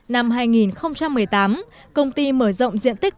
năm hai nghìn một mươi tám công ty mở rộng diện tích